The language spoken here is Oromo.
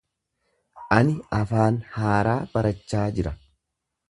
Ani afaan haaraa barachaa jira.